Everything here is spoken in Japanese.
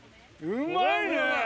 うまいね。